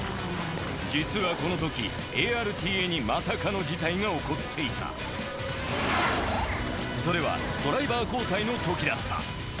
実はこの時ＡＲＴＡにまさかの事態が起こっていたそれはドライバー交代の時だった。